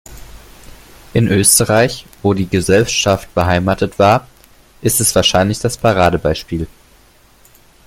In Österreich, wo die Gesellschaft beheimatet war, ist es wahrscheinlich das Paradebeispiel.